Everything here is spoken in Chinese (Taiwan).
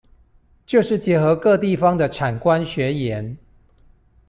就是結合各地方的產官學研